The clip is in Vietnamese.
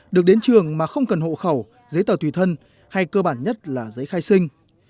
được đến trường mà không cần hộ khẩu giấy tờ tùy thân hay cơ bản nhất là giấy khai sinh